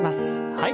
はい。